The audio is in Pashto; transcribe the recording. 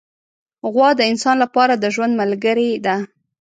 غوا د انسان له پاره د ژوند ملګرې ده.